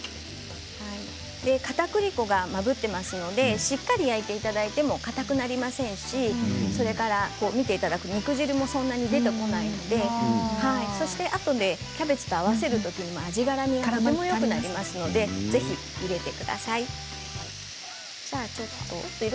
かたくり粉が混ざってますのでしっかり焼いていただいてもかたくなりませんしそれから見ていただくと分かりますけれども肉汁もそんなに出てこないのであとでキャベツと合わせるときに味なじみがよくなりますのでぜひ入れてください。